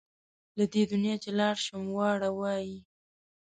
له دې دنیا چې لاړ شم واړه وايي.